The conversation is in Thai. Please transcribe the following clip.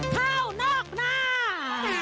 เข้านอกหน้า